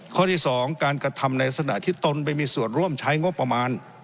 ข้อที่สองการกระทำในศนาทิตนไปมีส่วนร่วมใช้งบประมาณ